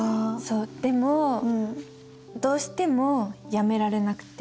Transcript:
でもどうしても辞められなくて。